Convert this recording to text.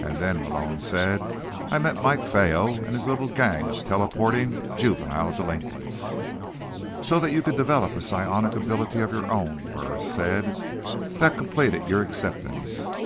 "And then," Malone said, "I met Mike Fueyo and his little gang of teleporting juvenile delinquents." "So that you could develop a psionic ability of your own," Burris said. "That completed your acceptance.